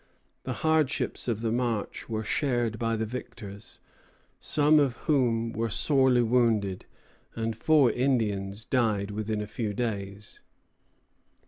The hardships of the march were shared by the victors, some of whom were sorely wounded; and four Indians died within a few days.